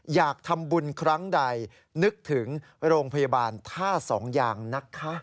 อยากทำบุญครั้งใดนึกถึงโรงพยาบาลท่าสองอย่างนะคะ